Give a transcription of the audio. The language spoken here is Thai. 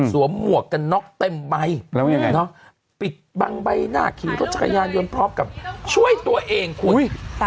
สวมหมวกกันน็อกเต็มใบปิดบังใบหน้าขี่รถจักรยานยนต์พร้อมกับช่วยตัวเองคุณ